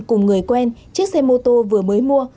cùng người quen chiếc xe mô tô vừa mới mua